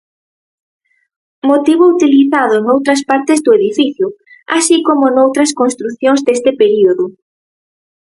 Motivo utilizado noutras partes do edificio, así como noutras construcións deste período.